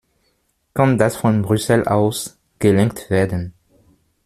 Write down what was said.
Kann das von Brüssel aus gelenkt werden?